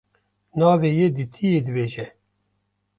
navê yê dîtiyî dibêje.